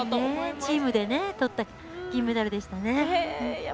チームでとった銀メダルでしたね。